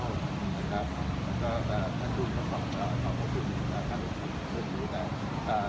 และท่านดูนก็ขอขอบคุณและขอบคุณทุกคนดูแล